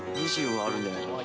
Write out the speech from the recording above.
２０はあるんじゃないかな。